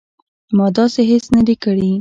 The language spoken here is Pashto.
ما داسې هیڅ نه دي کړي